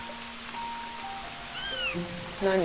何？